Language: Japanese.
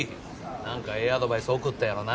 何かええアドバイス送ったやろな？